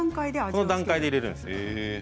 この段階で入れるんです。